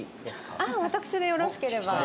私でよろしければ。